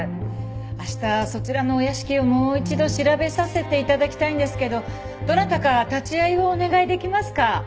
明日そちらのお屋敷をもう一度調べさせて頂きたいんですけどどなたか立ち会いをお願いできますか？